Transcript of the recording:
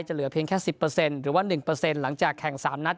เหลือเพียงแค่๑๐หรือว่า๑หลังจากแข่ง๓นัด